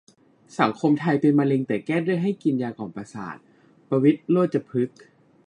สังคมไทยเป็นมะเร็งแต่แก้โดยให้กินยากล่อมประสาท ประวิตร โรจรพฤกษ์